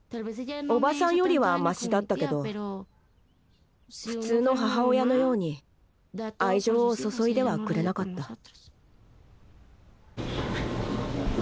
叔母さんよりはマシだったけど普通の母親のように愛情を注いではくれなかった。